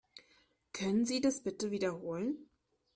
Können Sie das bitte wiederholen?